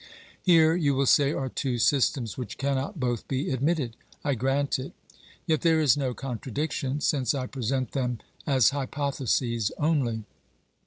Here, you will say, are two systems which cannot both be admitted. I grant it ; yet there is no contradiction, since I present them as hypotheses only.